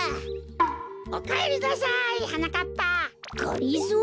おかえりなさいはなかっぱ。がりぞー！？